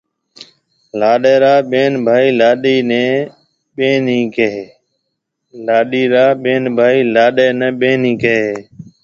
لاڏيِ را ٻين ڀائي لاڏيَ نَي ٻَينِي ڪهيَ هيَ۔